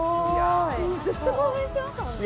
ずっと興奮してましたもんね。